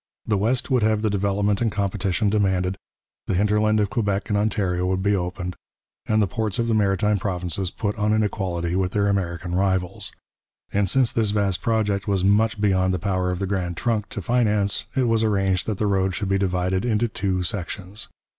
The West would have the development and competition demanded, the hinterland of Quebec and Ontario would be opened, and the ports of the Maritime Provinces put on an equality with their American rivals. And since this vast project was much beyond the power of the Grand Trunk to finance, it was arranged that the road should be divided into two sections.